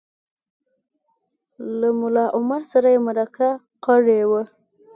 له ملا عمر سره یې مرکه کړې وه